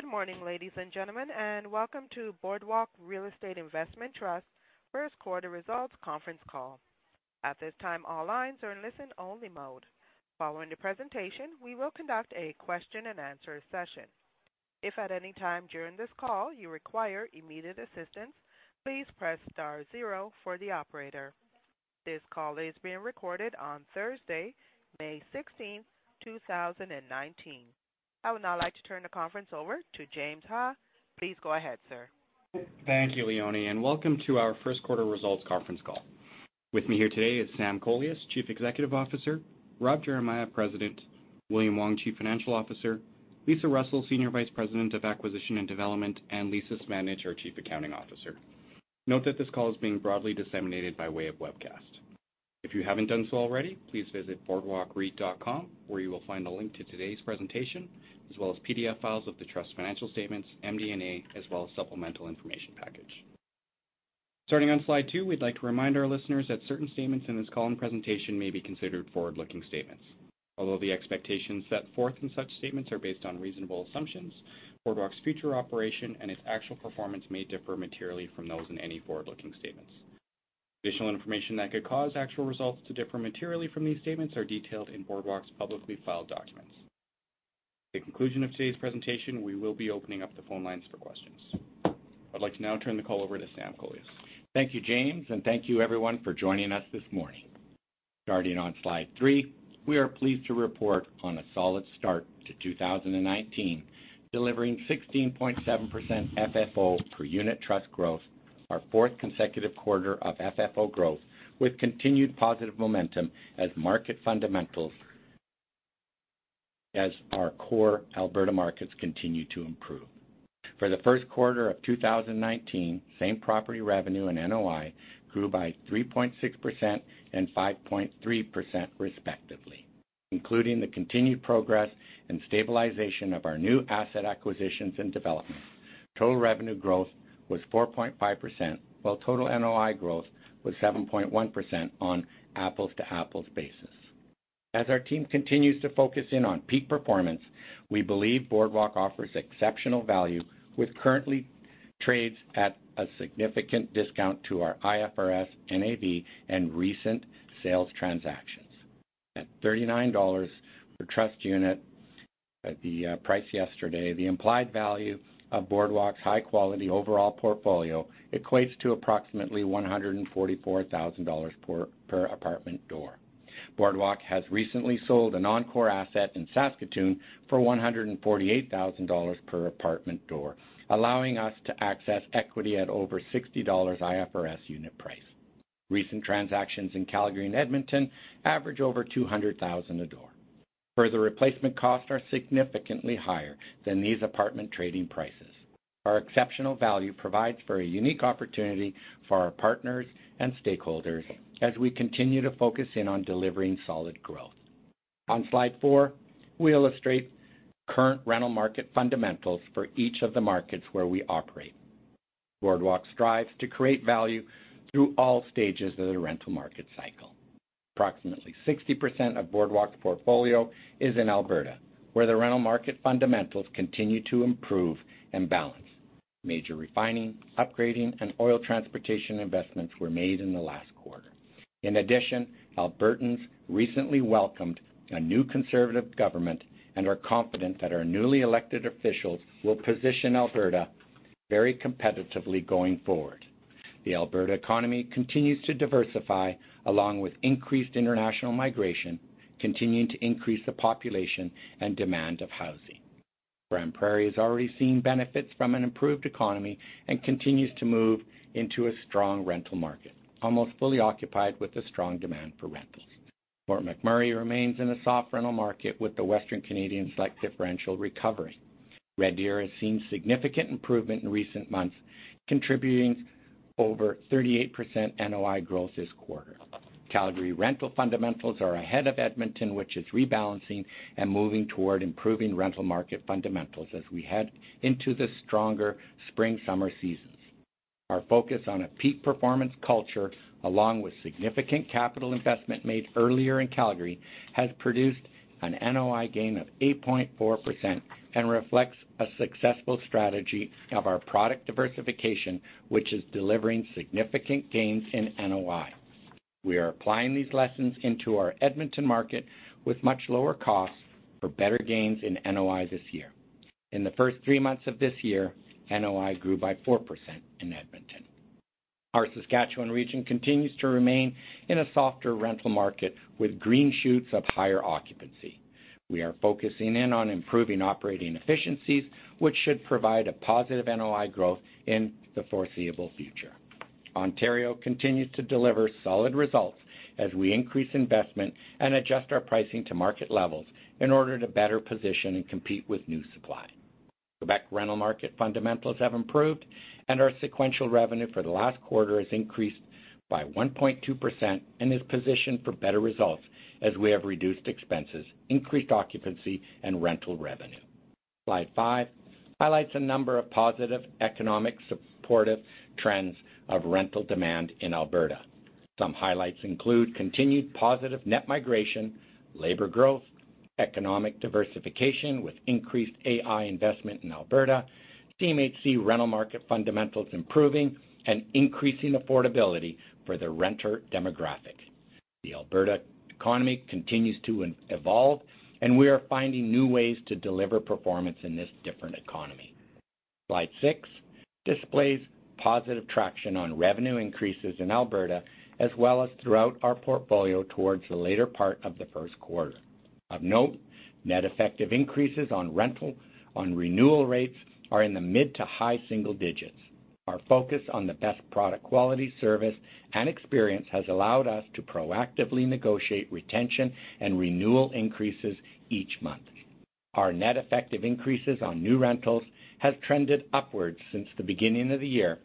Good morning, ladies and gentlemen, and welcome to Boardwalk Real Estate Investment Trust first quarter results conference call. At this time, all lines are in listen only mode. Following the presentation, we will conduct a question and answer session. If at any time during this call you require immediate assistance, please press star zero for the operator. This call is being recorded on Thursday, May 16th, 2019. I would now like to turn the conference over to James Ha. Please go ahead, sir. Thank you, Leonie, and welcome to our first quarter results conference call. With me here today is Sam Kolias, Chief Executive Officer, Rob Geremia, President, William Wong, Chief Financial Officer, Lisa Russell, Senior Vice President of Acquisition and Development, and Lisa Svanich, our Chief Accounting Officer. Note that this call is being broadly disseminated by way of webcast. If you haven't done so already, please visit boardwalkreit.com where you will find a link to today's presentation, as well as PDF files of the Trust financial statements, MD&A, as well as supplemental information package. Starting on slide two, we'd like to remind our listeners that certain statements in this call and presentation may be considered forward-looking statements. Although the expectations set forth in such statements are based on reasonable assumptions, Boardwalk's future operation and its actual performance may differ materially from those in any forward-looking statements. Additional information that could cause actual results to differ materially from these statements are detailed in Boardwalk's publicly filed documents. At the conclusion of today's presentation, we will be opening up the phone lines for questions. I'd like to now turn the call over to Sam Kolias. Thank you, James, and thank you everyone for joining us this morning. Starting on slide three, we are pleased to report on a solid start to 2019, delivering 16.7% FFO per unit trust growth, our fourth consecutive quarter of FFO growth, with continued positive momentum as market fundamentals, as our core Alberta markets continue to improve. For the first quarter of 2019, same property revenue and NOI grew by 3.6% and 5.3% respectively. Including the continued progress and stabilization of our new asset acquisitions and developments, total revenue growth was 4.5%, while total NOI growth was 7.1% on apples to apples basis. As our team continues to focus in on peak performance, we believe Boardwalk offers exceptional value with currently trades at a significant discount to our IFRS NAV and recent sales transactions. At 39 dollars per trust unit at the price yesterday, the implied value of Boardwalk's high quality overall portfolio equates to approximately 144,000 dollars per apartment door. Boardwalk has recently sold a non-core asset in Saskatoon for 148,000 dollars per apartment door, allowing us to access equity at over 60 dollars IFRS unit price. Recent transactions in Calgary and Edmonton average over 200,000 a door. Further replacement costs are significantly higher than these apartment trading prices. Our exceptional value provides for a unique opportunity for our partners and stakeholders as we continue to focus in on delivering solid growth. On slide four, we illustrate current rental market fundamentals for each of the markets where we operate. Boardwalk strives to create value through all stages of the rental market cycle. Approximately 60% of Boardwalk's portfolio is in Alberta, where the rental market fundamentals continue to improve and balance. Major refining, upgrading, and oil transportation investments were made in the last quarter. In addition, Albertans recently welcomed a new conservative government and are confident that our newly elected officials will position Alberta very competitively going forward. The Alberta economy continues to diversify, along with increased international migration, continuing to increase the population and demand of housing. Grande Prairie has already seen benefits from an improved economy and continues to move into a strong rental market, almost fully occupied with the strong demand for rentals. Fort McMurray remains in a soft rental market with the Western Canadian Select Differential recovering. Red Deer has seen significant improvement in recent months, contributing over 38% NOI growth this quarter. Calgary rental fundamentals are ahead of Edmonton, which is rebalancing and moving toward improving rental market fundamentals as we head into the stronger spring, summer seasons. Our focus on a peak performance culture, along with significant capital investment made earlier in Calgary, has produced an NOI gain of 8.4% and reflects a successful strategy of our product diversification, which is delivering significant gains in NOI. We are applying these lessons into our Edmonton market with much lower costs for better gains in NOI this year. In the first three months of this year, NOI grew by 4% in Edmonton. Our Saskatchewan region continues to remain in a softer rental market with green shoots of higher occupancy. We are focusing in on improving operating efficiencies, which should provide a positive NOI growth in the foreseeable future. Ontario continues to deliver solid results as we increase investment and adjust our pricing to market levels in order to better position and compete with new supply. Quebec rental market fundamentals have improved, and our sequential revenue for the last quarter has increased by 1.2% and is positioned for better results as we have reduced expenses, increased occupancy, and rental revenue. Slide five highlights a number of positive economic supportive trends of rental demand in Alberta. Some highlights include continued positive net migration, labor growth, economic diversification with increased AI investment in Alberta, CMHC rental market fundamentals improving, and increasing affordability for the renter demographic. The Alberta economy continues to evolve, and we are finding new ways to deliver performance in this different economy. Slide six displays positive traction on revenue increases in Alberta as well as throughout our portfolio towards the later part of the first quarter. Of note, net effective increases on rental on renewal rates are in the mid to high single digits. Our focus on the best product quality, service, and experience has allowed us to proactively negotiate retention and renewal increases each month. Our net effective increases on new rentals has trended upwards since the beginning of the year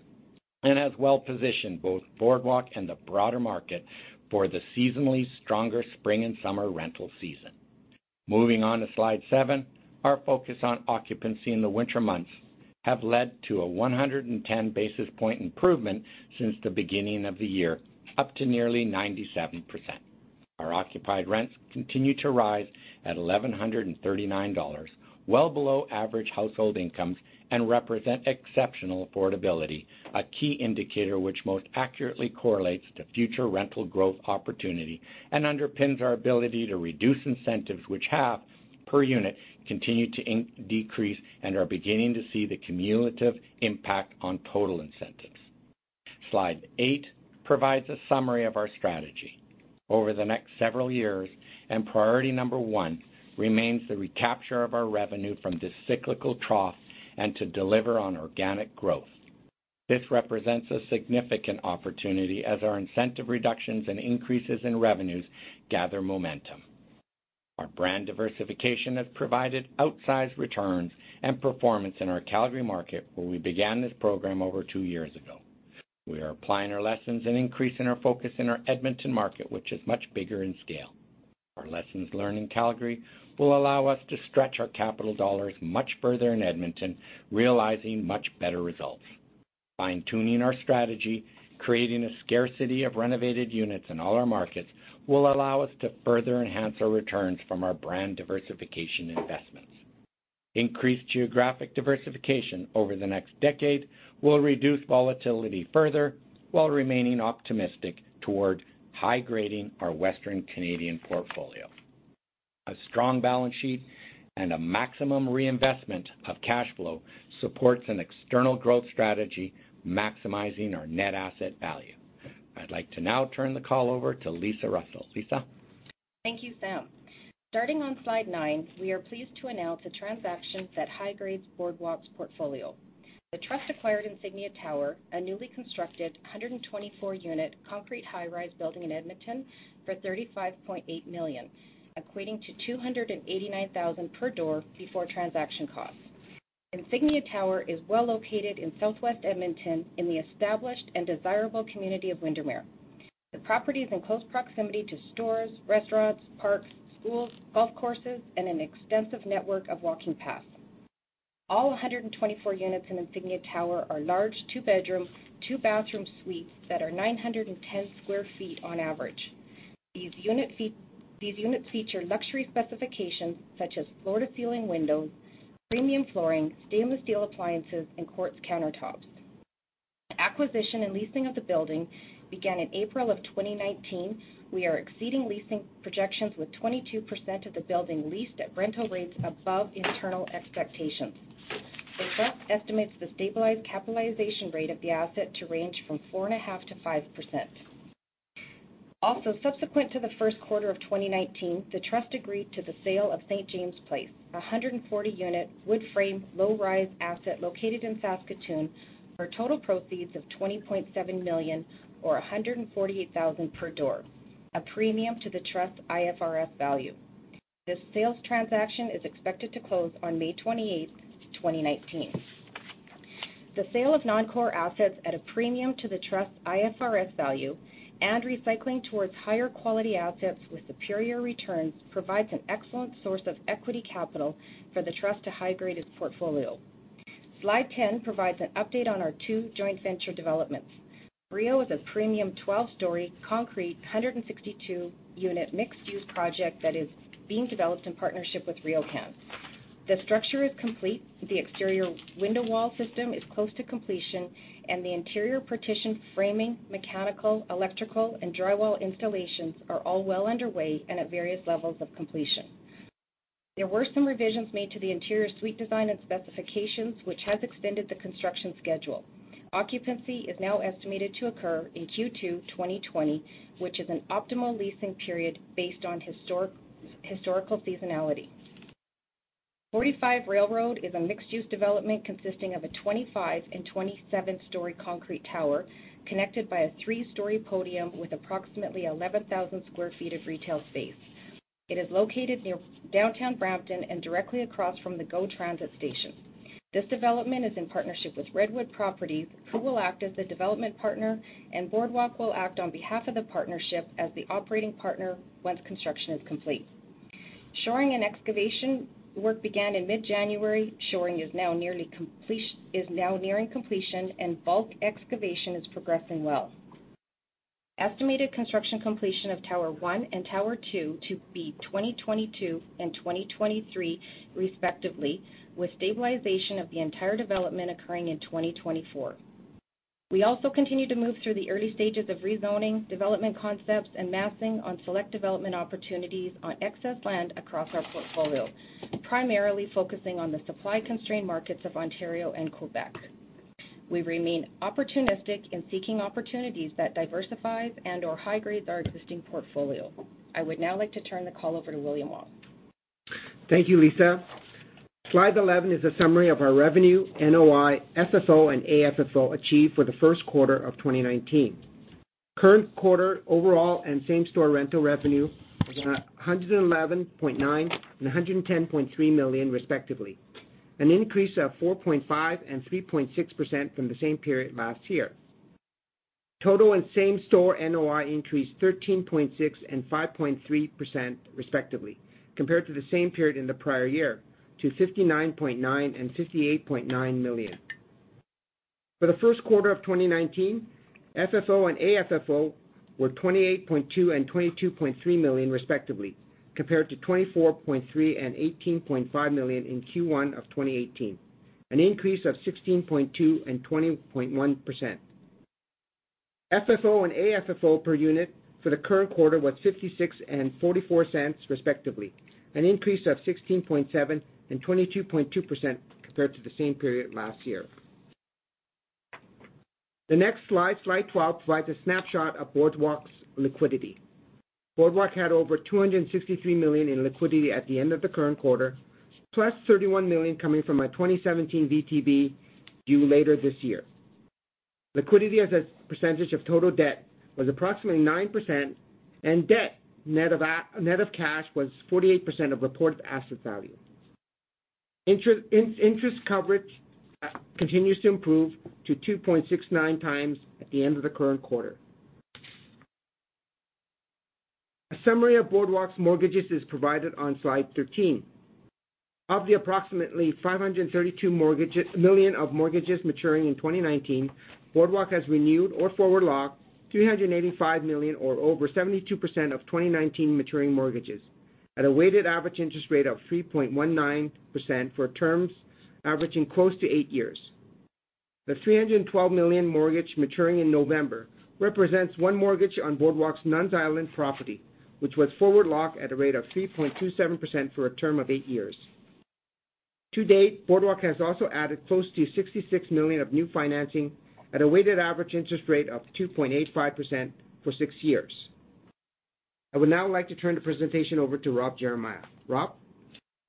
and has well-positioned both Boardwalk and the broader market for the seasonally stronger spring and summer rental season. Moving on to slide seven, our focus on occupancy in the winter months have led to a 110 basis point improvement since the beginning of the year, up to nearly 97%. Our occupied rents continue to rise at 1,139 dollars, well below average household incomes, and represent exceptional affordability, a key indicator which most accurately correlates to future rental growth opportunity and underpins our ability to reduce incentives, which have, per unit, continued to decrease, and are beginning to see the cumulative impact on total incentives. Slide eight provides a summary of our strategy over the next several years, and priority number one remains the recapture of our revenue from this cyclical trough and to deliver on organic growth. This represents a significant opportunity as our incentive reductions and increases in revenues gather momentum. Our brand diversification has provided outsized returns and performance in our Calgary market, where we began this program over two years ago. We are applying our lessons and increasing our focus in our Edmonton market, which is much bigger in scale. Our lessons learned in Calgary will allow us to stretch our capital dollars much further in Edmonton, realizing much better results. Fine-tuning our strategy, creating a scarcity of renovated units in all our markets, will allow us to further enhance our returns from our brand diversification investments. Increased geographic diversification over the next decade will reduce volatility further while remaining optimistic toward high-grading our Western Canadian portfolio. A strong balance sheet and a maximum reinvestment of cash flow supports an external growth strategy, maximizing our net asset value. I'd like to now turn the call over to Lisa Russell. Lisa? Thank you, Sam. Starting on slide nine, we are pleased to announce a transaction that high-grades Boardwalk's portfolio. The trust acquired Insignia Tower, a newly constructed 124-unit concrete high-rise building in Edmonton for 35.8 million, equating to 289,000 per door before transaction costs. Insignia Tower is well-located in Southwest Edmonton in the established and desirable community of Windermere. The property is in close proximity to stores, restaurants, parks, schools, golf courses, and an extensive network of walking paths. All 124 units in Insignia Tower are large, two-bedroom, two-bathroom suites that are 910 sq ft on average. These units feature luxury specifications such as floor-to-ceiling windows, premium flooring, stainless steel appliances, and quartz countertops. Acquisition and leasing of the building began in April of 2019. We are exceeding leasing projections with 22% of the building leased at rental rates above internal expectations. The trust estimates the stabilized capitalization rate of the asset to range from 4.5%-5%. Also, subsequent to the first quarter of 2019, the trust agreed to the sale of St. James Place, a 140-unit, wood-frame, low-rise asset located in Saskatoon for total proceeds of 20.7 million or 148,000 per door, a premium to the trust's IFRS value. This sales transaction is expected to close on May 28th, 2019. The sale of non-core assets at a premium to the trust's IFRS value and recycling towards higher quality assets with superior returns provides an excellent source of equity capital for the trust to high-grade its portfolio. Slide 10 provides an update on our two joint venture developments. Rio is a premium 12-story, concrete, 162-unit mixed-use project that is being developed in partnership with RioCan. The structure is complete, the exterior window wall system is close to completion, and the interior partition framing, mechanical, electrical, and drywall installations are all well underway and at various levels of completion. There were some revisions made to the interior suite design and specifications, which has extended the construction schedule. Occupancy is now estimated to occur in Q2 2020, which is an optimal leasing period based on historical seasonality. 45 Railroad is a mixed-use development consisting of a 25 and 27-story concrete tower connected by a three-story podium with approximately 11,000 sq ft of retail space. It is located near downtown Brampton and directly across from the GO Transit station. This development is in partnership with Redwood Properties, who will act as the development partner, and Boardwalk will act on behalf of the partnership as the operating partner once construction is complete. Shoring and excavation work began in mid-January. Shoring is now nearing completion, and bulk excavation is progressing well. Estimated construction completion of tower one and tower two to be 2022 and 2023 respectively, with stabilization of the entire development occurring in 2024. We also continue to move through the early stages of rezoning, development concepts, and massing on select development opportunities on excess land across our portfolio, primarily focusing on the supply-constrained markets of Ontario and Quebec. We remain opportunistic in seeking opportunities that diversify and/or high-grade our existing portfolio. I would now like to turn the call over to William Wong. Thank you, Lisa. Slide 11 is a summary of our revenue, NOI, FFO and AFFO achieved for the first quarter of 2019. Current quarter overall and same-store rental revenue was 111.9 million and 110.3 million respectively, an increase of 4.5% and 3.6% from the same period last year. Total and same-store NOI increased 13.6% and 5.3% respectively compared to the same period in the prior year, to 59.9 million and 58.9 million. For the first quarter of 2019, FFO and AFFO were 28.2 million and 22.3 million respectively, compared to 24.3 million and 18.5 million in Q1 of 2018, an increase of 16.2% and 20.1%. FFO and AFFO per unit for the current quarter was 0.56 and 0.44 respectively, an increase of 16.7% and 22.2% compared to the same period last year. The next slide, Slide 12, provides a snapshot of Boardwalk's liquidity. Boardwalk had over 263 million in liquidity at the end of the current quarter, plus 31 million coming from our 2017 VTB due later this year. Liquidity as a percentage of total debt was approximately 9%, and debt net of cash was 48% of reported asset value. Interest coverage continues to improve to 2.69 times at the end of the current quarter. A summary of Boardwalk's mortgages is provided on slide 13. Of the approximately 532 million of mortgages maturing in 2019, Boardwalk has renewed or forward locked 385 million or over 72% of 2019 maturing mortgages at a weighted average interest rate of 3.19% for terms averaging close to eight years. The 312 million mortgage maturing in November represents one mortgage on Boardwalk's Nun's Island property, which was forward locked at a rate of 3.27% for a term of eight years. To date, Boardwalk has also added close to 66 million of new financing at a weighted average interest rate of 2.85% for six years. I would now like to turn the presentation over to Rob Geremia. Rob?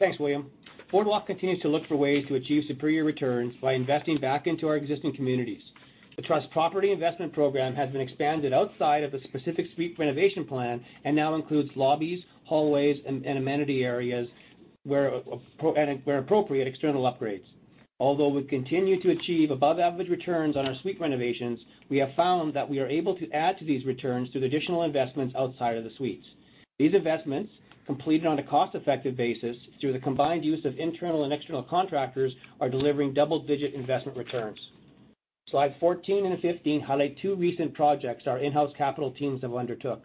Thanks, William. Boardwalk continues to look for ways to achieve superior returns by investing back into our existing communities. The Trust Property Investment Program has been expanded outside of the specific suite renovation plan and now includes lobbies, hallways, and amenity areas, where appropriate, external upgrades. Although we continue to achieve above-average returns on our suite renovations, we have found that we are able to add to these returns through additional investments outside of the suites. These investments, completed on a cost-effective basis through the combined use of internal and external contractors, are delivering double-digit investment returns. Slide 14 and 15 highlight two recent projects our in-house capital teams have undertook.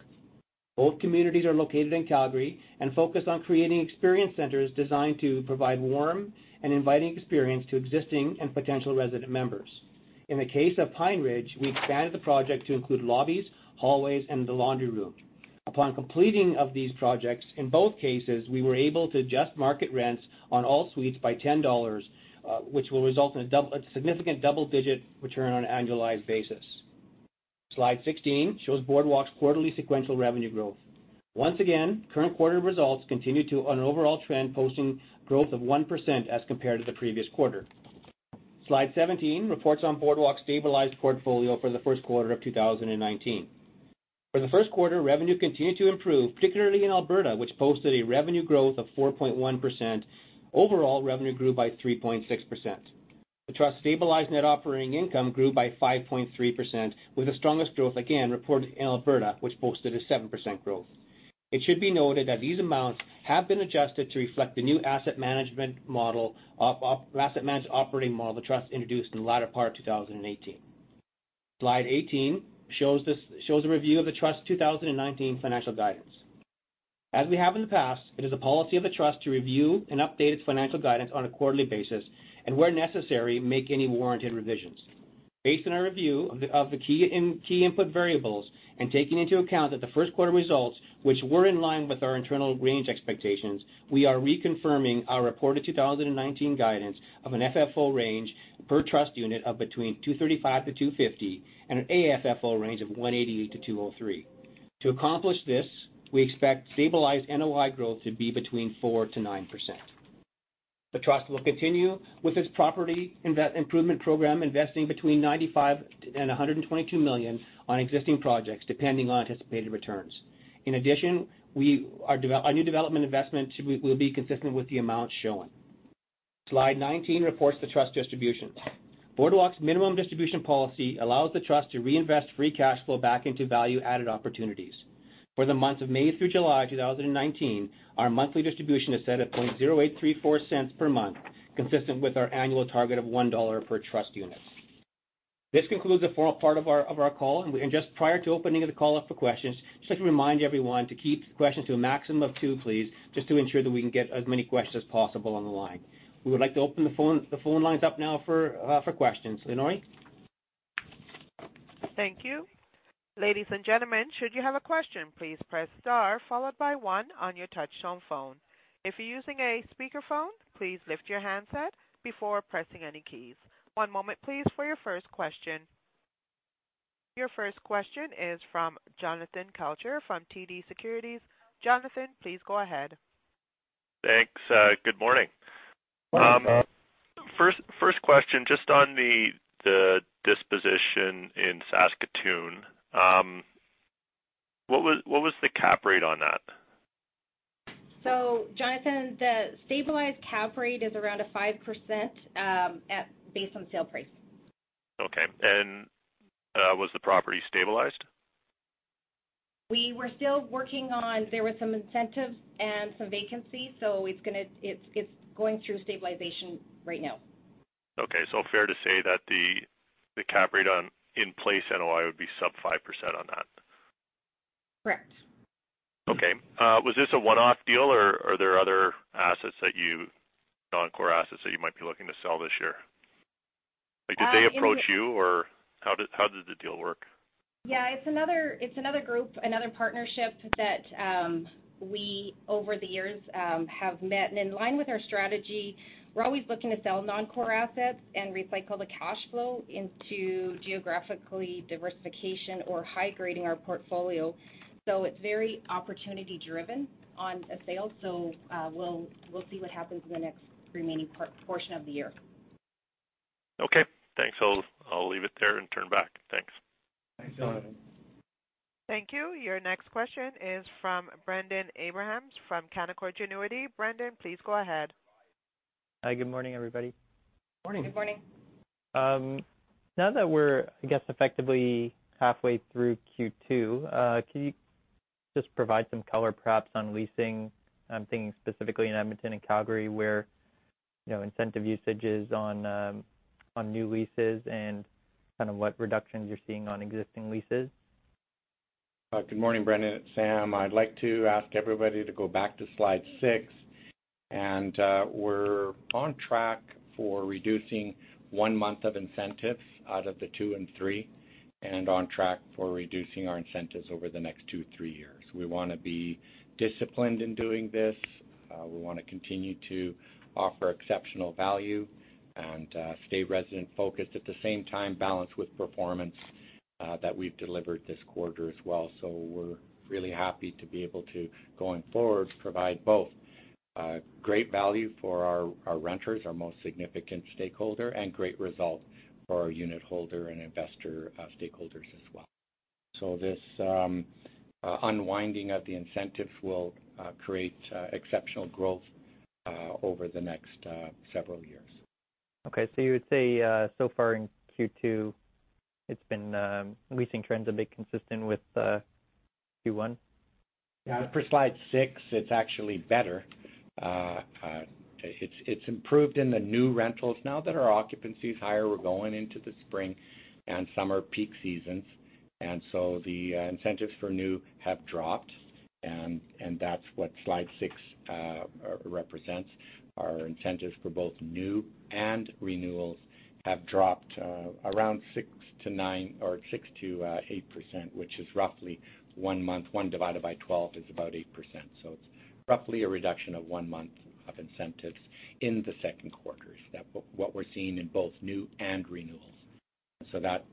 Both communities are located in Calgary and focus on creating experience centers designed to provide warm and inviting experience to existing and potential resident members. In the case of Pine Ridge, we expanded the project to include lobbies, hallways, and the laundry room. Upon completing of these projects, in both cases, we were able to adjust market rents on all suites by 10 dollars, which will result in a significant double-digit return on an annualized basis. Slide 16 shows Boardwalk's quarterly sequential revenue growth. Once again, current quarter results continue to an overall trend, posting growth of 1% as compared to the previous quarter. Slide 17 reports on Boardwalk's stabilized portfolio for the first quarter of 2019. For the first quarter, revenue continued to improve, particularly in Alberta, which posted a revenue growth of 4.1%. Overall, revenue grew by 3.6%. The Trust's stabilized net operating income grew by 5.3%, with the strongest growth, again, reported in Alberta, which posted a 7% growth. It should be noted that these amounts have been adjusted to reflect the new asset management operating model the Trust introduced in the latter part of 2018. Slide 18 shows a review of the Trust's 2019 financial guidance. As we have in the past, it is a policy of the Trust to review and update its financial guidance on a quarterly basis, and where necessary, make any warranted revisions. Based on our review of the key input variables and taking into account that the first quarter results, which were in line with our internal range expectations, we are reconfirming our reported 2019 guidance of an FFO range per trust unit of between 2.35 to 2.50, and an AFFO range of 1.88 to 2.03. To accomplish this, we expect stabilized NOI growth to be between 4%-9%. The Trust will continue with its property improvement program, investing between 95 million and 122 million on existing projects, depending on anticipated returns. In addition, our new development investment will be consistent with the amount shown. Slide 19 reports the Trust distributions. Boardwalk's minimum distribution policy allows the Trust to reinvest free cash flow back into value-added opportunities. For the months of May through July 2019, our monthly distribution is set at 0.0834 per month, consistent with our annual target of 1.00 dollar per trust unit. This concludes the formal part of our call. Just prior to opening the call up for questions, just like to remind everyone to keep questions to a maximum of two, please, just to ensure that we can get as many questions as possible on the line. We would like to open the phone lines up now for questions. Lenore? Thank you. Ladies and gentlemen, should you have a question, please press star followed by one on your touchtone phone. If you're using a speakerphone, please lift your handset before pressing any keys. One moment, please, for your first question. Your first question is from Jonathan Kelcher from TD Securities. Jonathan, please go ahead. Thanks. Good morning. Morning. First question, just on the disposition in Saskatoon. What was the cap rate on that? Jonathan, the stabilized cap rate is around a 5% based on sale price. Okay. Was the property stabilized? We were still working on. There were some incentives and some vacancies, so it's going through stabilization right now. Okay, fair to say that the cap rate on in-place NOI would be sub 5% on that. Correct. Okay. Was this a one-off deal, or are there other non-core assets that you might be looking to sell this year? Like did they approach you or how did the deal work? Yeah, it's another group, another partnership that we, over the years, have met. In line with our strategy, we're always looking to sell non-core assets and recycle the cash flow into geographical diversification or high grading our portfolio. It's very opportunity-driven on a sale. We'll see what happens in the next remaining portion of the year. Okay. Thanks. I'll leave it there and turn back. Thanks. Thanks, Jonathan. Thank you. Your next question is from Brendon Abrams, from Canaccord Genuity. Brendon, please go ahead. Hi, good morning, everybody. Morning. Good morning. Now that we're, I guess, effectively halfway through Q2, can you just provide some color perhaps on leasing? I'm thinking specifically in Edmonton and Calgary, where incentive usage is on new leases and kind of what reductions you're seeing on existing leases. Good morning, Brendon. It's Sam. I'd like to ask everybody to go back to slide six. We're on track for reducing one month of incentives out of the two and three, and on track for reducing our incentives over the next two, three years. We want to be disciplined in doing this. We want to continue to offer exceptional value and stay resident-focused. At the same time, balance with performance that we've delivered this quarter as well. We're really happy to be able to, going forward, provide both great value for our renters, our most significant stakeholder, and great result for our unitholder and investor stakeholders as well. This unwinding of the incentives will create exceptional growth over the next several years. Okay, you would say, so far in Q2, leasing trends have been consistent with Q1? Yeah. For slide 6, it's actually better. It's improved in the new rentals. Now that our occupancy's higher, we're going into the spring and summer peak seasons. The incentives for new have dropped, and that's what slide 6 represents. Our incentives for both new and renewals have dropped around 6%-8%, which is roughly one month. One divided by 12 is about 8%. It's roughly a reduction of one month of incentives in the second quarter. What we're seeing in both new and renewals. That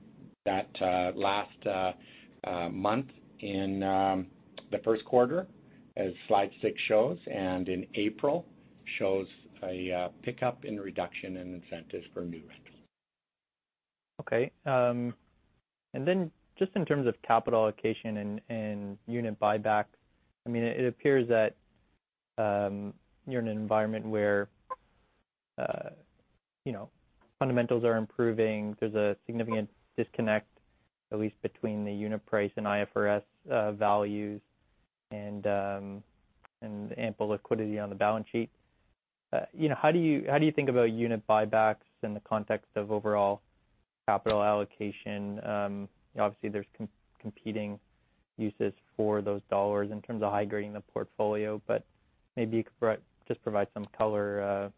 last month in the first quarter, as slide 6 shows, and in April shows a pickup in reduction in incentives for new rentals. Okay. Just in terms of capital allocation and unit buyback, it appears that you're in an environment where fundamentals are improving. There's a significant disconnect, at least between the unit price and IFRS values and ample liquidity on the balance sheet. How do you think about unit buybacks in the context of overall capital allocation? Obviously, there's competing uses for those dollars in terms of high grading the portfolio, maybe you could just provide some color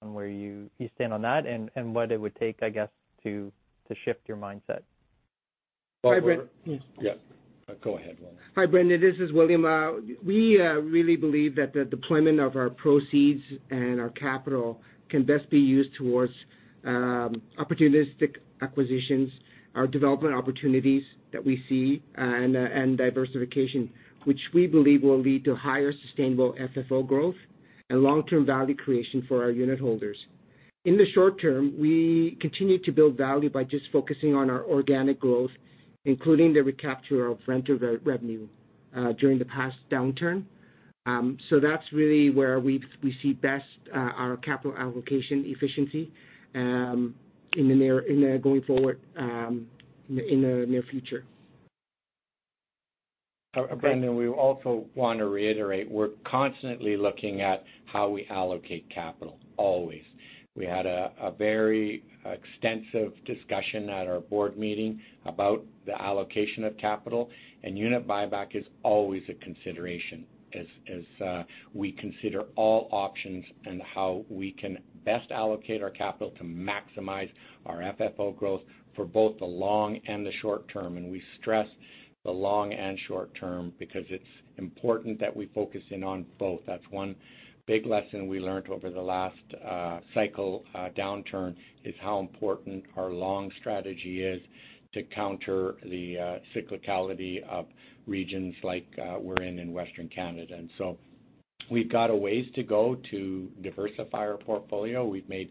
on where you stand on that and what it would take, I guess, to shift your mindset. Go ahead, William. Hi, Brendon, this is William. We really believe that the deployment of our proceeds and our capital can best be used towards opportunistic acquisitions, our development opportunities that we see, and diversification, which we believe will lead to higher sustainable FFO growth and long-term value creation for our unitholders. In the short term, we continue to build value by just focusing on our organic growth, including the recapture of rental revenue during the past downturn. That's really where we see best our capital allocation efficiency going forward in the near future. Brendon, we also want to reiterate, we're constantly looking at how we allocate capital, always. We had a very extensive discussion at our board meeting about the allocation of capital, unit buyback is always a consideration as we consider all options and how we can best allocate our capital to maximize our FFO growth for both the long and the short term. We stress the long and short term because it's important that we focus in on both. That's one big lesson we learned over the last cycle downturn, is how important our long strategy is to counter the cyclicality of regions like we're in in Western Canada. We've got a ways to go to diversify our portfolio. We've made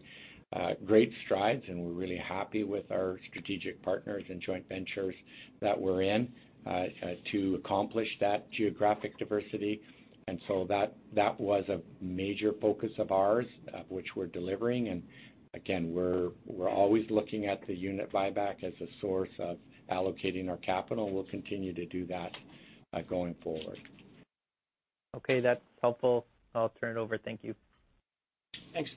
great strides, and we're really happy with our strategic partners and joint ventures that we're in to accomplish that geographic diversity. That was a major focus of ours, of which we're delivering. Again, we're always looking at the unit buyback as a source of allocating our capital, and we'll continue to do that going forward. Okay, that's helpful. I'll turn it over. Thank you. Thanks.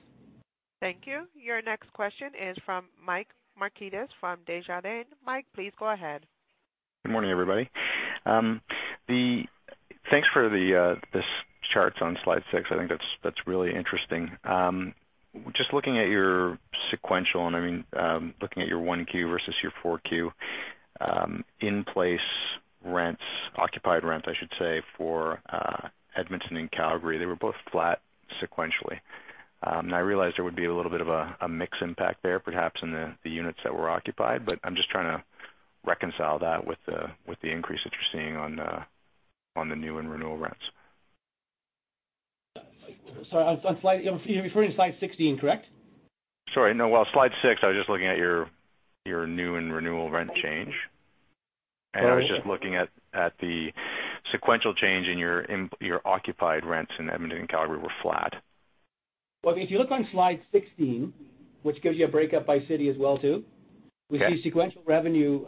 Thank you. Your next question is from Michael Markidis from Desjardins. Mike, please go ahead. Good morning, everybody. Thanks for the charts on slide six. I think that's really interesting. Just looking at your sequential, and I mean, looking at your 1Q versus your 4Q, in-place rents, occupied rent, I should say, for Edmonton and Calgary, they were both flat sequentially. I realize there would be a little bit of a mix impact there, perhaps in the units that were occupied, but I'm just trying to reconcile that with the increase that you're seeing on the new and renewal rents. Sorry, you're referring to slide 16, correct? Sorry. No. Well, slide six, I was just looking at your new and renewal rent change. Sorry. I was just looking at the sequential change in your occupied rents in Edmonton and Calgary were flat. If you look on slide 16, which gives you a breakup by city as well. Okay We see sequential revenue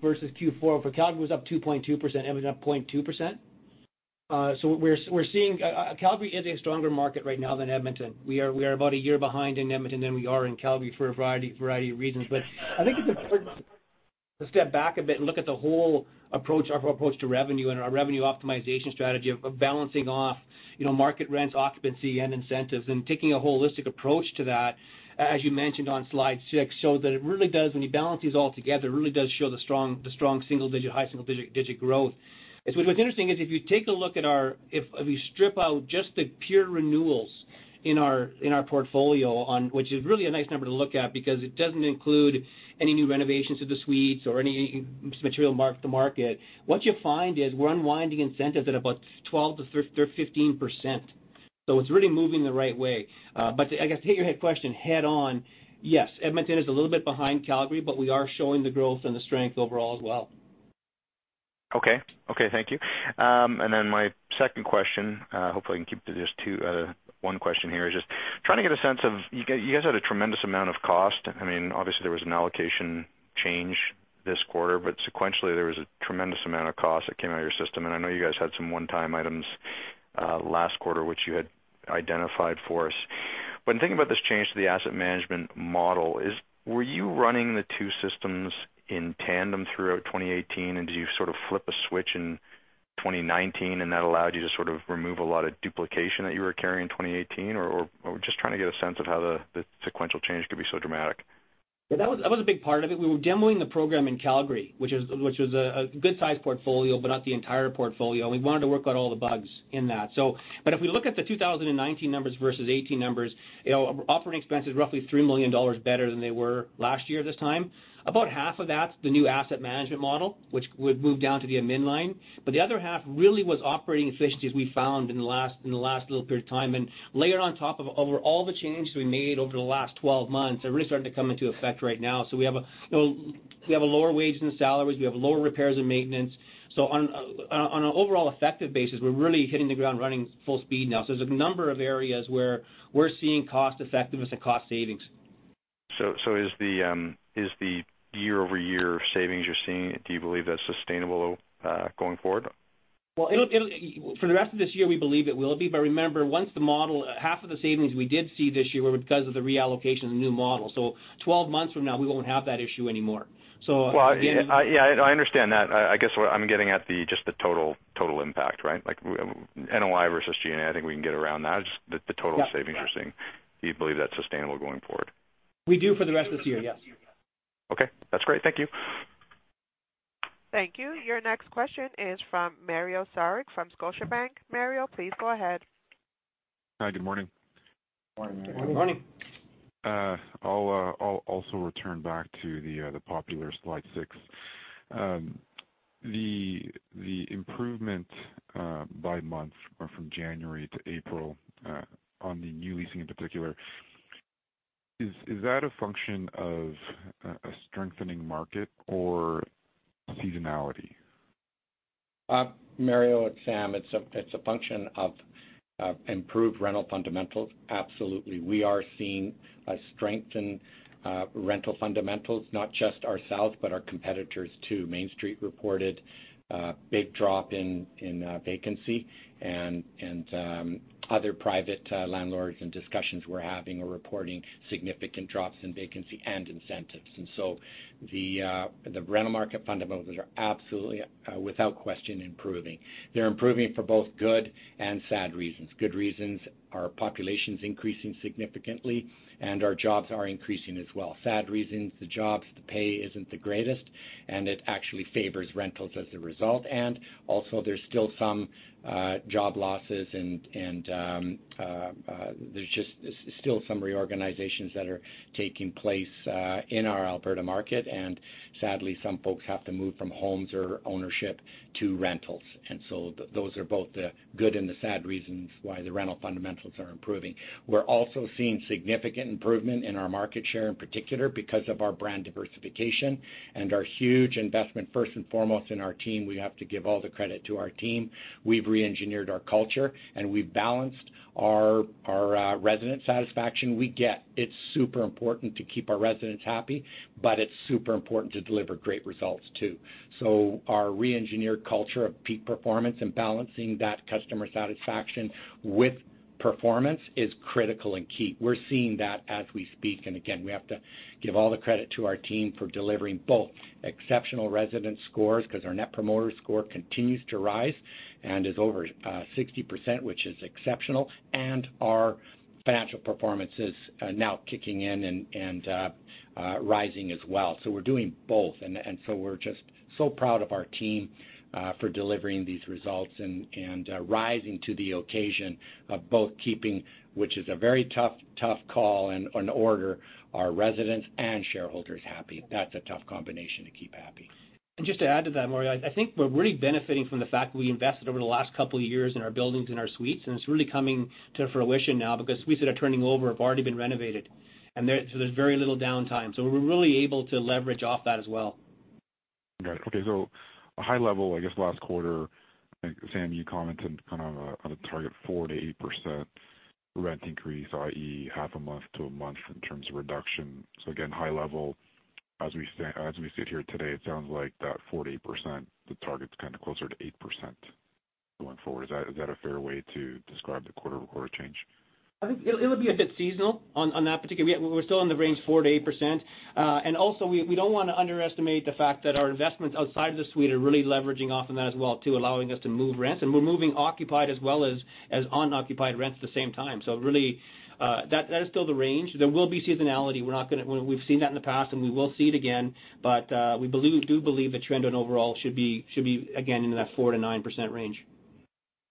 versus Q4. For Calgary, it was up 2.2%, Edmonton up 0.2%. We're seeing Calgary is a stronger market right now than Edmonton. We are about a year behind in Edmonton than we are in Calgary for a variety of reasons. I think it's important to step back a bit and look at the whole approach, our approach to revenue and our revenue optimization strategy of balancing off market rents, occupancy, and incentives, and taking a holistic approach to that, as you mentioned on slide six, showed that when you balance these all together, it really does show the high single-digit growth. What's interesting is if we strip out just the pure renewals in our portfolio, which is really a nice number to look at because it doesn't include any new renovations to the suites or any material to market, what you find is we're unwinding incentives at about 12%-15%. It's really moving the right way. I guess to hit your question head on, yes, Edmonton is a little bit behind Calgary, but we are showing the growth and the strength overall as well. Okay. Thank you. My second question, hopefully I can keep to just one question here, is just trying to get a sense of, you guys had a tremendous amount of cost. Obviously, there was an allocation change this quarter, but sequentially, there was a tremendous amount of cost that came out of your system. I know you guys had some one-time items last quarter, which you had identified for us. In thinking about this change to the asset management model, were you running the two systems in tandem throughout 2018? Did you sort of flip a switch in 2019, and that allowed you to sort of remove a lot of duplication that you were carrying in 2018? Just trying to get a sense of how the sequential change could be so dramatic. Yeah, that was a big part of it. We were demoing the program in Calgary, which was a good-sized portfolio, but not the entire portfolio. We wanted to work out all the bugs in that. If we look at the 2019 numbers versus 2018 numbers, operating expenses roughly 3 million dollars better than they were last year this time. About half of that's the new asset management model, which would move down to the admin line. The other half really was operating efficiencies we found in the last little period of time. Layered on top of all the changes we made over the last 12 months are really starting to come into effect right now. We have a lower wage than the salaries. We have lower repairs and maintenance. On an overall effective basis, we're really hitting the ground running full speed now. There's a number of areas where we're seeing cost effectiveness and cost savings. Is the year-over-year savings you're seeing, do you believe that's sustainable going forward? Well, for the rest of this year, we believe it will be. Remember, half of the savings we did see this year were because of the reallocation of the new model. 12 months from now, we won't have that issue anymore. Well, yeah, I understand that. I guess what I'm getting at just the total impact, right? Like NOI versus G&A, I think we can get around that. Yeah savings you're seeing. Do you believe that's sustainable going forward? We do for the rest of this year, yes. Okay. That's great. Thank you. Thank you. Your next question is from Mario Saric from Scotiabank. Mario, please go ahead. Hi, good morning. Morning. Morning. I'll also return back to the popular slide six. The improvement by month or from January to April, on the new leasing in particular, is that a function of a strengthening market or seasonality? Mario, it's Sam. It's a function of improved rental fundamentals. Absolutely. We are seeing a strengthened rental fundamentals, not just ourselves, but our competitors too. Mainstreet reported a big drop in vacancy and other private landlords in discussions we're having are reporting significant drops in vacancy and incentives. The rental market fundamentals are absolutely, without question, improving. They're improving for both good and sad reasons. Good reasons, our population's increasing significantly, and our jobs are increasing as well. Sad reasons, the jobs, the pay isn't the greatest, and it actually favors rentals as a result. There's still some job losses and there's just still some reorganizations that are taking place in our Alberta market, and sadly, some folks have to move from homes or ownership to rentals. Those are both the good and the sad reasons why the rental fundamentals are improving. We're also seeing significant improvement in our market share, in particular, because of our brand diversification and our huge investment, first and foremost, in our team. We have to give all the credit to our team. We've re-engineered our culture, and we've balanced our resident satisfaction. We get it's super important to keep our residents happy, but it's super important to deliver great results, too. Our re-engineered culture of peak performance and balancing that customer satisfaction with performance is critical and key. We're seeing that as we speak. Again, we have to give all the credit to our team for delivering both exceptional resident scores, because our Net Promoter Score continues to rise and is over 60%, which is exceptional, and our financial performance is now kicking in and rising as well. We're doing both. We're just so proud of our team, for delivering these results and rising to the occasion of both keeping, which is a very tough call and order, our residents and shareholders happy. That's a tough combination to keep happy. Just to add to that, Mario, I think we're really benefiting from the fact that we invested over the last couple of years in our buildings and our suites, and it's really coming to fruition now because suites that are turning over have already been renovated. There's very little downtime. We're really able to leverage off that as well. Got it. Okay, a high level, I guess last quarter, I think Sam, you commented on a target 4%-8% rent increase, i.e., half a month to a month in terms of reduction. Again, high level, as we sit here today, it sounds like that 4%-8%, the target's kind of closer to 8% going forward. Is that a fair way to describe the quarter change? I think it'll be a bit seasonal on that particular. We're still in the range 4%-8%. Also, we don't want to underestimate the fact that our investments outside of the suite are really leveraging off of that as well, too, allowing us to move rents. We're moving occupied as well as unoccupied rents at the same time. Really, that is still the range. There will be seasonality. We've seen that in the past, and we will see it again, we do believe the trend on overall should be, again, in that 4%-9% range.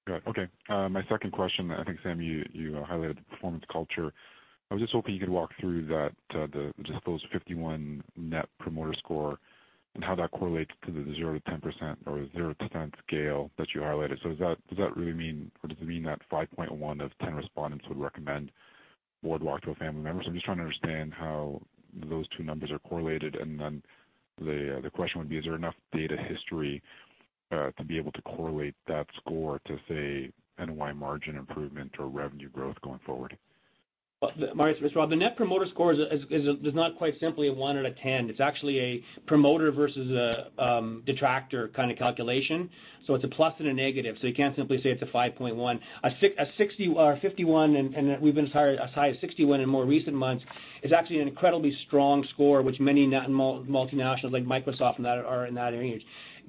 Got it. Okay. My second question, I think, Sam, you highlighted the performance culture. I was just hoping you could walk through that, just those 51 Net Promoter Score and how that correlates to the 0% scale that you highlighted. Does that really mean, or does it mean that 5.1 of 10 respondents would recommend Boardwalk to a family member? I'm just trying to understand how those two numbers are correlated. Then the question would be, is there enough data history, to be able to correlate that score to, say, NOI margin improvement or revenue growth going forward? Well, Mario, the Net Promoter Score is not quite simply a one and a 10. It's actually a promoter versus a detractor kind of calculation. It's a plus and a negative. You can't simply say it's a 5.1. A 60 or 51, and we've been as high as 61 in more recent months, is actually an incredibly strong score, which many multinationals like Microsoft are in that range.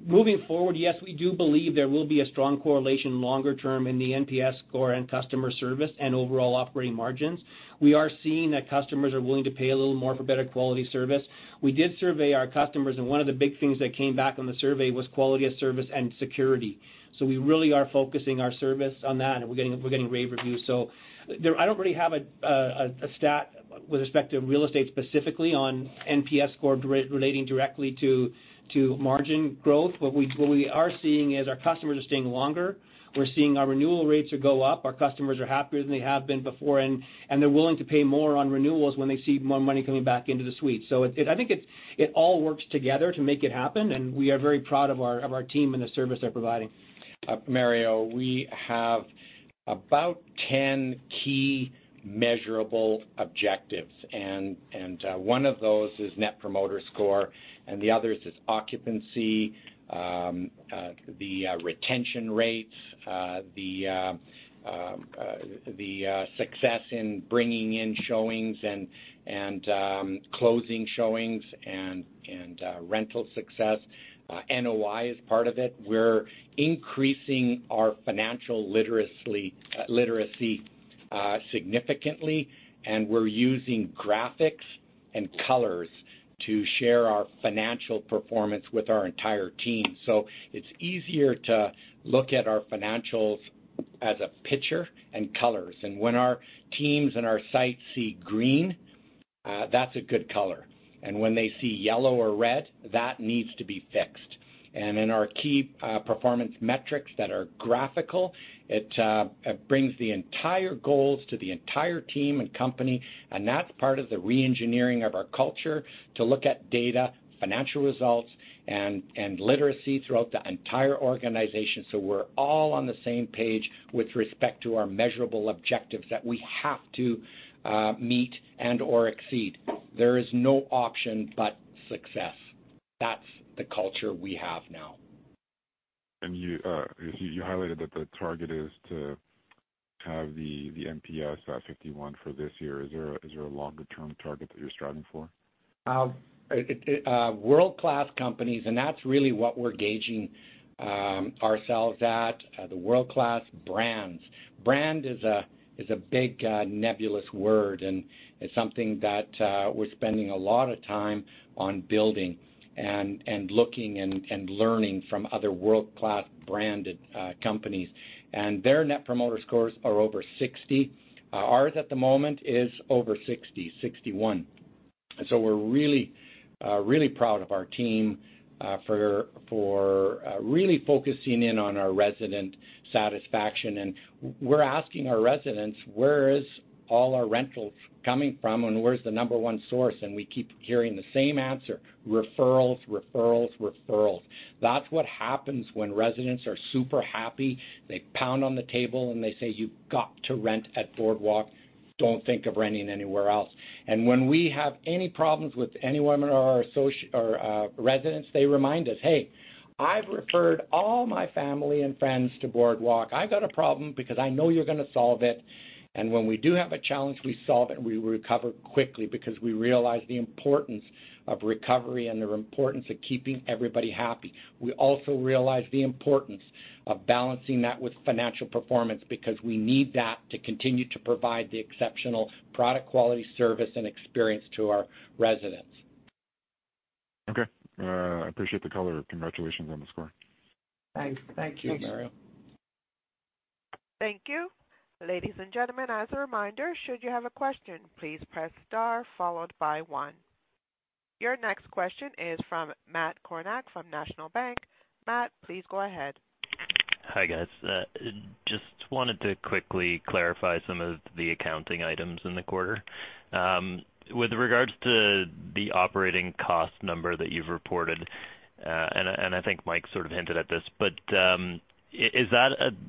Moving forward, yes, we do believe there will be a strong correlation longer term in the NPS score and customer service and overall operating margins. We are seeing that customers are willing to pay a little more for better quality service. We did survey our customers, one of the big things that came back on the survey was quality of service and security. We really are focusing our service on that, and we're getting rave reviews. I don't really have a stat with respect to real estate specifically on NPS score relating directly to margin growth. What we are seeing is our customers are staying longer. We're seeing our renewal rates go up. Our customers are happier than they have been before, and they're willing to pay more on renewals when they see more money coming back into the suite. I think it all works together to make it happen, and we are very proud of our team and the service they're providing. Mario, we have about 10 key measurable objectives, and one of those is Net Promoter Score, and the others is occupancy, the retention rates, the success in bringing in showings and closing showings and rental success. NOI is part of it. We're increasing our financial literacy significantly, and we're using graphics and colors to share our financial performance with our entire team. It's easier to look at our financials as a picture and colors. When our teams and our sites see green. That's a good color. When they see yellow or red, that needs to be fixed. In our key performance metrics that are graphical, it brings the entire goals to the entire team and company, and that's part of the re-engineering of our culture to look at data, financial results, and literacy throughout the entire organization so we're all on the same page with respect to our measurable objectives that we have to meet and/or exceed. There is no option but success. That's the culture we have now. You highlighted that the target is to have the NPS at 51 for this year. Is there a longer-term target that you're striving for? World-class companies. That's really what we're gauging ourselves at, the world-class brands. Brand is a big, nebulous word. It's something that we're spending a lot of time on building and looking and learning from other world-class branded companies. Their Net Promoter Scores are over 60. Ours at the moment is over 60, 61. We're really proud of our team, for really focusing in on our resident satisfaction. We're asking our residents, where is all our rentals coming from and where's the number one source? We keep hearing the same answer, referrals. That's what happens when residents are super happy. They pound on the table, and they say, "You've got to rent at Boardwalk. Don't think of renting anywhere else." When we have any problems with any one of our residents, they remind us, "Hey, I've referred all my family and friends to Boardwalk. I've got a problem because I know you're going to solve it." When we do have a challenge, we solve it, and we recover quickly because we realize the importance of recovery and the importance of keeping everybody happy. We also realize the importance of balancing that with financial performance because we need that to continue to provide the exceptional product quality, service, and experience to our residents. Okay. I appreciate the color. Congratulations on the score. Thanks. Thank you. Thank you. Ladies and gentlemen, as a reminder, should you have a question, please press star followed by one. Your next question is from Matt Kornack from National Bank. Matt, please go ahead. Hi, guys. Just wanted to quickly clarify some of the accounting items in the quarter. With regards to the operating cost number that you've reported, and I think Mike sort of hinted at this.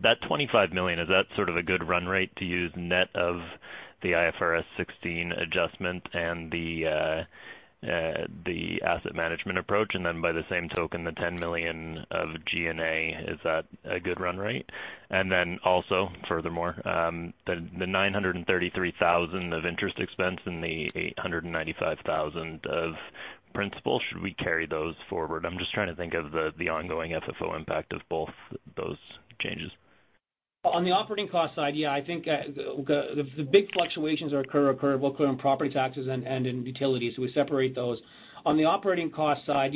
That 25 million, is that sort of a good run rate to use net of the IFRS 16 adjustment and the asset management approach? By the same token, the 10 million of G&A, is that a good run rate? Also, furthermore, the 933,000 of interest expense and the 895,000 of principal, should we carry those forward? I'm just trying to think of the ongoing FFO impact of both those changes. On the operating cost side, yeah, I think the big fluctuations occur locally on property taxes and in utilities. We separate those. On the operating cost side,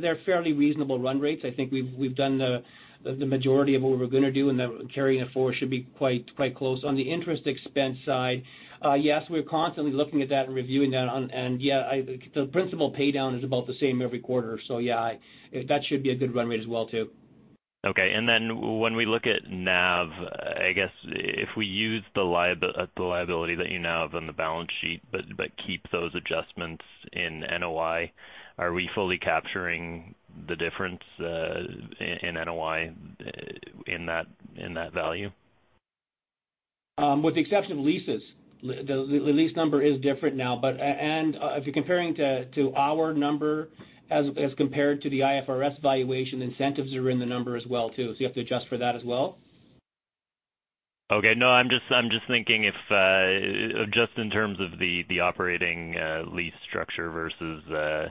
they're fairly reasonable run rates. I think we've done the majority of what we're going to do, and the carry-forward should be quite close. On the interest expense side, yes, we're constantly looking at that and reviewing that, and yeah, the principal paydown is about the same every quarter. Yeah, that should be a good run rate as well, too. Okay. When we look at NAV, I guess if we use the liability that you now have on the balance sheet, but keep those adjustments in NOI, are we fully capturing the difference in NOI in that value? With the exception of leases. The lease number is different now. If you're comparing it to our number as compared to the IFRS valuation, incentives are in the number as well too. You have to adjust for that as well. Okay. No, I'm just thinking if, just in terms of the operating lease structure versus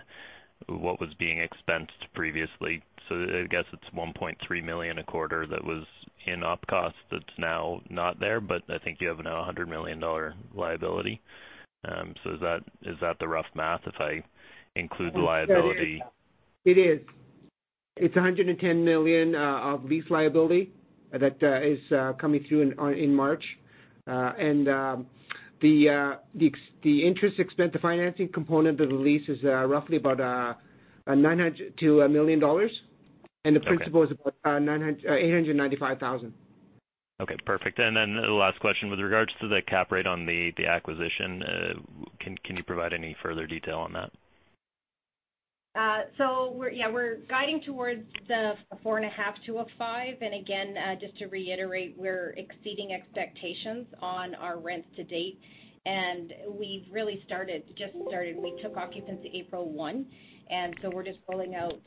what was being expensed previously. I guess it's 1.3 million a quarter that was in up cost that's now not there, but I think you have now 100 million dollar liability. Is that the rough math if I include the liability? It is. It's 110 million of lease liability that is coming through in March. The interest expense, the financing component of the lease is roughly about 900-1 million dollars. Okay. The principal is about 895,000. Okay, perfect. The last question with regards to the cap rate on the acquisition. Can you provide any further detail on that? We're guiding towards the four and a half to a five. Again, just to reiterate, we're exceeding expectations on our rents to date, and we've really just started. We took occupancy April 1. We're just rolling out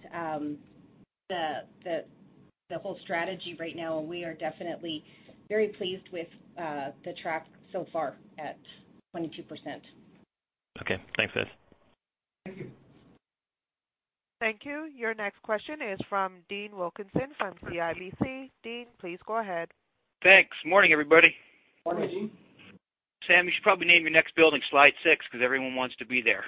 the whole strategy right now, we are definitely very pleased with the track so far at 22%. Okay. Thanks, Liz. Thank you. Thank you. Your next question is from Dean Wilkinson from CIBC. Dean, please go ahead. Thanks. Morning, everybody. Morning, Dean. Sam, you should probably name your next building Slide Six because everyone wants to be there.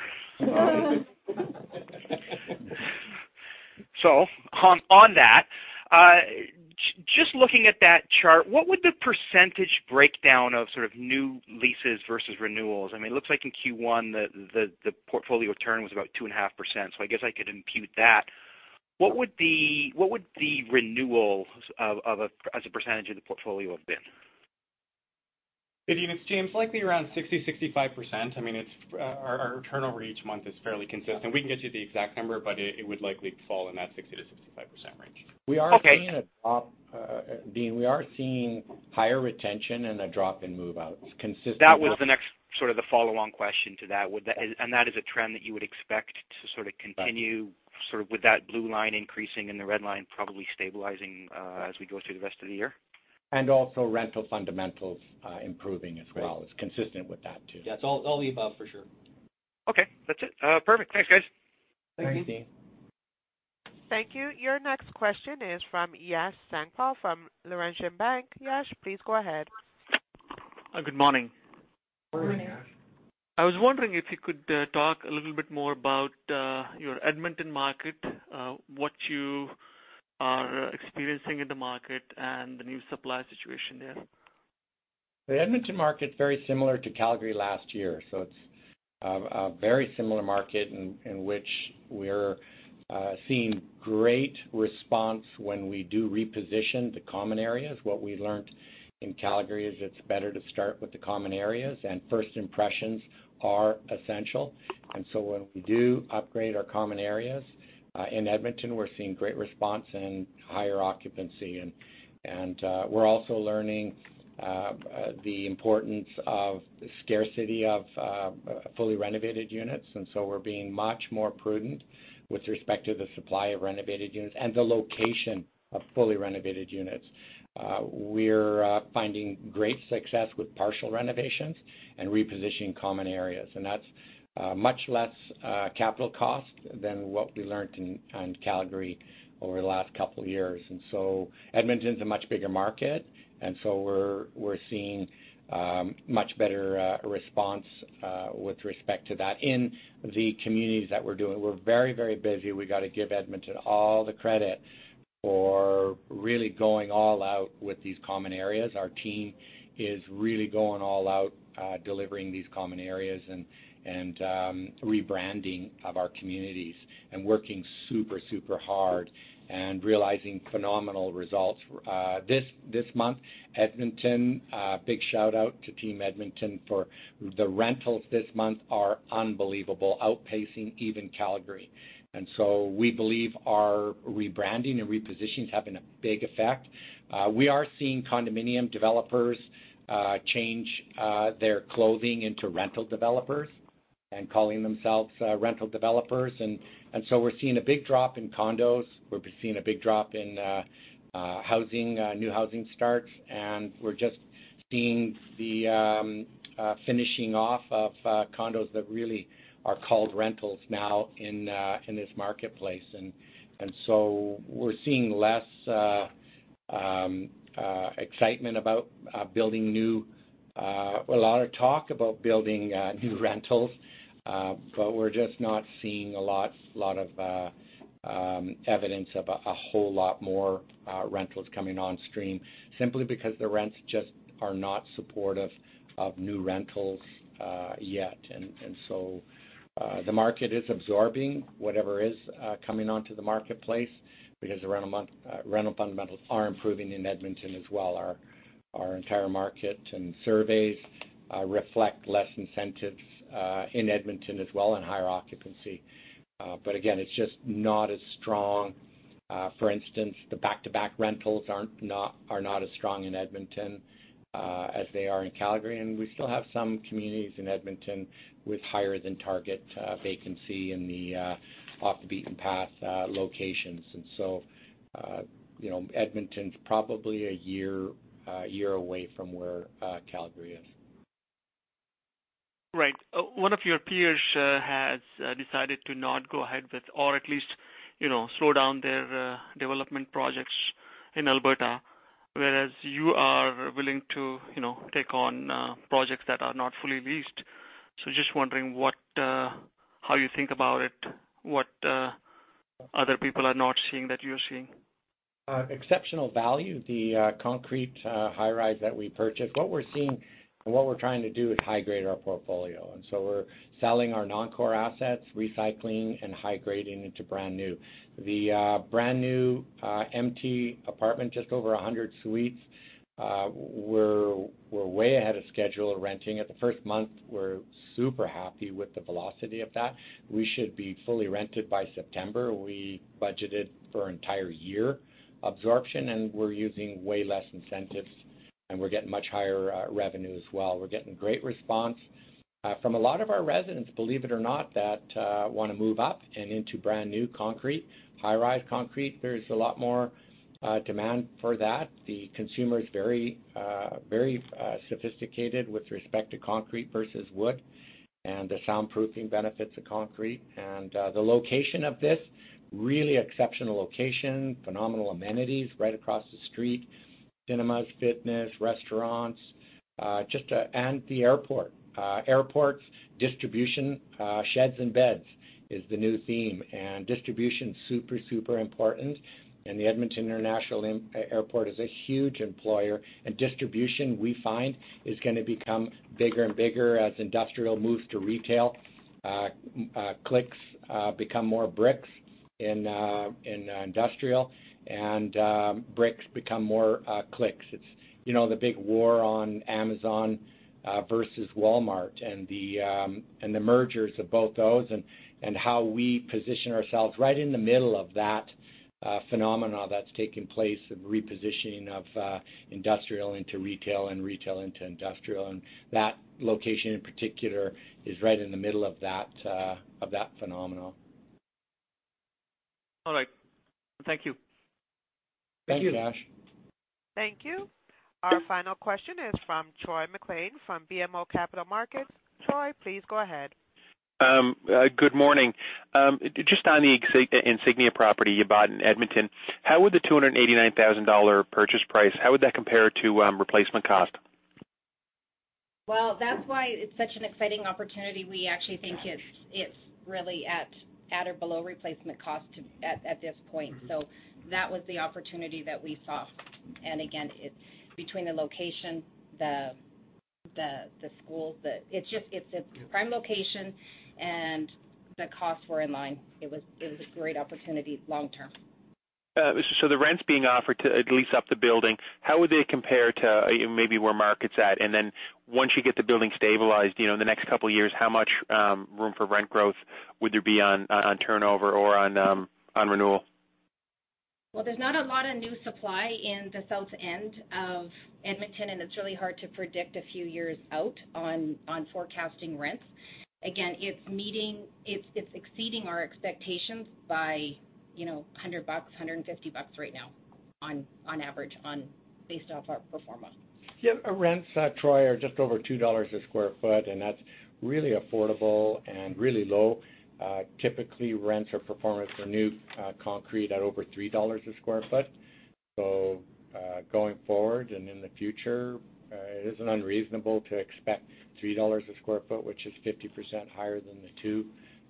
On that, just looking at that chart, what would the percentage breakdown of sort of new leases versus renewals? It looks like in Q1 the portfolio turn was about 2.5%, so I guess I could impute that. What would the renewals as a percentage of the portfolio have been? Good evening, Dean. Likely around 60%-65%. Our turnover each month is fairly consistent. We can get you the exact number, but it would likely fall in that 60%-65% range. Okay. Dean, we are seeing higher retention and a drop in move-outs consistent with. That was the next sort of the follow-along question to that. That is a trend that you would expect to sort of continue. Right sort of with that blue line increasing and the red line probably stabilizing as we go through the rest of the year? Also rental fundamentals improving as well. Great. It's consistent with that too. Yes. All the above, for sure. Okay. That's it. Perfect. Thanks, guys. Thanks, Dean. Thanks. Thank you. Your next question is from Yash Sankpal from Laurentian Bank. Yash, please go ahead. Good morning. Morning. Morning. I was wondering if you could talk a little bit more about your Edmonton market, what you are experiencing in the market, and the new supply situation there. The Edmonton market's very similar to Calgary last year. It's a very similar market in which we're seeing great response when we do reposition the common areas. What we learned in Calgary is it's better to start with the common areas, and first impressions are essential. When we do upgrade our common areas in Edmonton, we're seeing great response and higher occupancy. We're also learning the importance of scarcity of fully renovated units. We're being much more prudent with respect to the supply of renovated units and the location of fully renovated units. We're finding great success with partial renovations and repositioning common areas. That's much less capital cost than what we learned in Calgary over the last couple of years. Edmonton's a much bigger market. We're seeing much better response with respect to that in the communities that we're doing. We're very busy. We got to give Edmonton all the credit for really going all out with these common areas. Our team is really going all out delivering these common areas and rebranding of our communities, and working super hard and realizing phenomenal results. This month, Edmonton, big shout-out to Team Edmonton for the rentals this month are unbelievable, outpacing even Calgary. We believe our rebranding and repositioning is having a big effect. We are seeing condominium developers change their clothing into rental developers and calling themselves rental developers. We're seeing a big drop in condos. We're seeing a big drop in new housing starts, and we're just seeing the finishing off of condos that really are called rentals now in this marketplace. We're seeing less excitement about building new. A lot of talk about building new rentals, but we're just not seeing a lot of evidence of a whole lot more rentals coming on stream, simply because the rents just are not supportive of new rentals yet. The market is absorbing whatever is coming onto the marketplace because the rental fundamentals are improving in Edmonton as well. Our entire market and surveys reflect less incentives in Edmonton as well, and higher occupancy. Again, it's just not as strong. For instance, the back-to-back rentals are not as strong in Edmonton as they are in Calgary, and we still have some communities in Edmonton with higher than target vacancy in the off-the-beaten-path locations. Edmonton's probably a year away from where Calgary is. Right. One of your peers has decided to not go ahead with, or at least slow down their development projects in Alberta, whereas you are willing to take on projects that are not fully leased. Just wondering how you think about it, what other people are not seeing that you're seeing? Exceptional value. The concrete high-rise that we purchased. What we're seeing and what we're trying to do is high-grade our portfolio, we're selling our non-core assets, recycling, and high-grading into brand new. The brand-new empty apartment, just over 100 suites, we're way ahead of schedule of renting. At the first month, we're super happy with the velocity of that. We should be fully rented by September. We budgeted for an entire year absorption, we're using way less incentives, and we're getting much higher revenue as well. We're getting great response from a lot of our residents, believe it or not, that want to move up and into brand-new concrete, high-rise concrete. There's a lot more demand for that. The consumer is very sophisticated with respect to concrete versus wood and the soundproofing benefits of concrete. The location of this, really exceptional location. Phenomenal amenities right across the street. Cinemas, fitness, restaurants. The airport. Airports, distribution, sheds and beds is the new theme, distribution is super important. The Edmonton International Airport is a huge employer. Distribution, we find, is going to become bigger and bigger as industrial moves to retail. Clicks become more bricks in industrial, and bricks become more clicks. It's the big war on Amazon versus Walmart and the mergers of both those and how we position ourselves right in the middle of that phenomena that's taking place of repositioning of industrial into retail and retail into industrial. That location, in particular, is right in the middle of that phenomena. All right. Thank you. Thanks, Yash. Thank you. Our final question is from Troy MacLean from BMO Capital Markets. Troy, please go ahead. Good morning. Just on the Insignia property you bought in Edmonton, how would the 289,000 dollar purchase price, how would that compare to replacement cost? Well, that's why it's such an exciting opportunity. We actually think it's really at or below replacement cost at this point. That was the opportunity that we saw. Again, between the location, the schools, it's a prime location, and the costs were in line. It was a great opportunity long-term. The rents being offered to lease up the building, how would they compare to maybe where market's at? And then once you get the building stabilized in the next couple of years, how much room for rent growth would there be on turnover or on renewal? There's not a lot of new supply in the south end of Edmonton, and it's really hard to predict a few years out on forecasting rents. Again, it's exceeding our expectations by 100 bucks, 150 bucks right now on average based off our pro forma. Rents, Troy, are just over 2 dollars a square foot, and that's really affordable and really low. Typically, rents or pro formas are new concrete at over 3 dollars a square foot. Going forward and in the future, it isn't unreasonable to expect 3 dollars a square foot, which is 50% higher than the 2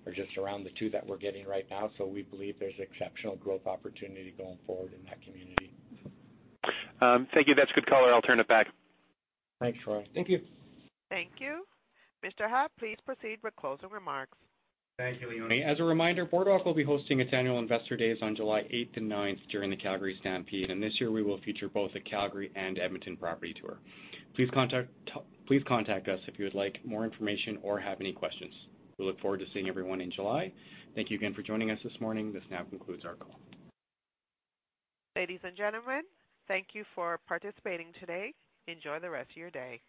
or just around the 2 that we're getting right now. We believe there's exceptional growth opportunity going forward in that community. Thank you. That's good color. I'll turn it back. Thanks, Troy. Thank you. Thank you. Mr. Ha, please proceed with closing remarks. Thank you, [Leonie]. As a reminder, Boardwalk will be hosting its annual Investor Days on July 8th and 9th during the Calgary Stampede. This year, we will feature both a Calgary and Edmonton property tour. Please contact us if you would like more information or have any questions. We look forward to seeing everyone in July. Thank you again for joining us this morning. This now concludes our call. Ladies and gentlemen, thank you for participating today. Enjoy the rest of your day.